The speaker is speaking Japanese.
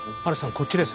こっちです。